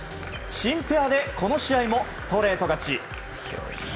新ペアでこの試合もストレート勝ち。